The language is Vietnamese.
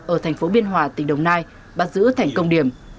ở thành phố biên hòa tỉnh đồng nai bắt giữ thành công điểm